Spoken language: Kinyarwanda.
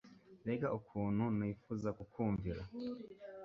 mbega ukuntu nifuza kukumvira